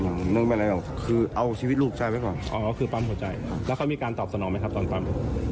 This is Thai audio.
เจ้าคุณแจ้งเจ้าคุณปั๊มหัวใจเจ้าคุณปั๊มหัวใจ